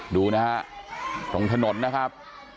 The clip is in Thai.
ดูนะฮะตรงถนนนะครับ